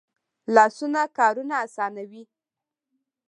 لاسونه کارونه آسانوي